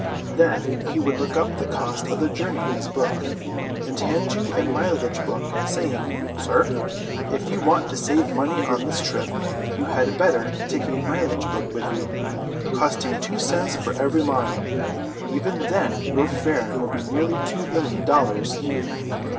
Then he would look up the cost of the journey in his book, and hand you a mileage book, saying: 'Sir, if you want to save money on this trip, you had better take a mileage book with you, costing two cents for every mile. Even then your fare will be nearly two million dollars.'"